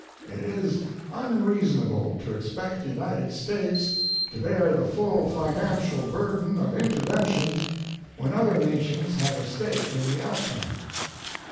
It is unreasonable to expect the United States to bear the full financial burden of intervention when other nations have a stake in the outcome.